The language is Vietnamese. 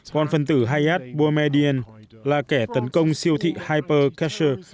con phân tử hayat bormadian là kẻ tấn công siêu thị hypercatcher